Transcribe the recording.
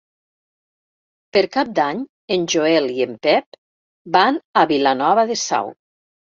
Per Cap d'Any en Joel i en Pep van a Vilanova de Sau.